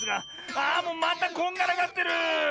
あもうまたこんがらがってる！